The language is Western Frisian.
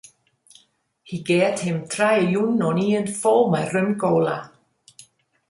Hy geat him trije jûnen oanien fol mei rum-kola.